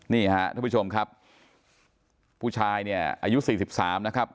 นี่ฮะทุกผู้ชมครับผู้ชายเนี่ยอายุสี่สิบสามนะครับ